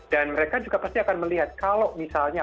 dan mereka juga pasti akan melihat kalau misalnya